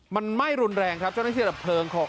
มันไหม้รุนแรงครับเจ้านักศึกษาภัยเพลิง